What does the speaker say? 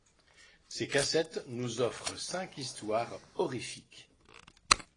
Ces cassettes nous offrent cinq histoires horrifiques.